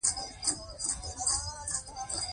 بوډا لويه ښېښه کش کړه.